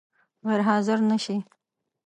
غیر حاضر نه شې؟